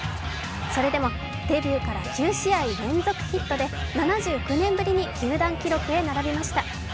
それでもデビューから９試合連続ヒットで７９年ぶりに球団記録に並びました。